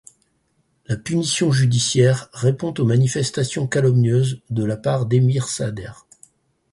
La punition judiciaire répond aux manifestations calomnieuses de la part d'Emir Sader.